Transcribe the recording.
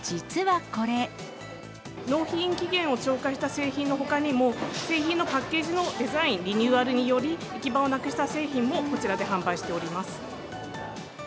納品期限を超過した製品のほかにも、製品のパッケージのデザインリニューアルにより、行き場をなくした製品も、こちらで販売しております。